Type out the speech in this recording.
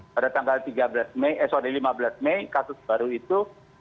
pada tanggal lima belas mei kasus baru itu dua tiga ratus